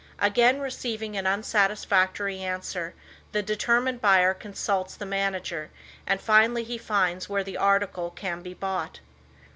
Again receiving an unsatisfactory answer the determined buyer consults the manager and finally he finds where the article can be bought.